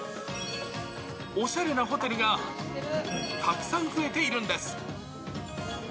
おしゃれなホテルがたくさん増えているんです。